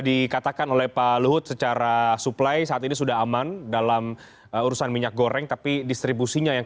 dengan sosok luhut ini sebenarnya bisa atau tidak